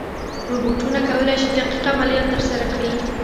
روبوټونه کولی شي دقیق عملیات ترسره کړي.